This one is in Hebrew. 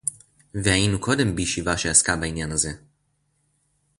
והיינו קודם בישיבה שעסקה בעניין הזה